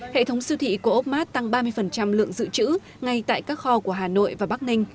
hệ thống siêu thị của opmad tăng ba mươi lượng dự trữ ngay tại các kho của hà nội và bắc ninh